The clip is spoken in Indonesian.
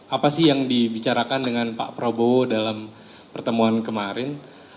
apa sih yang dibicarakan dengan pak prabowo dalam pertemuan kemarin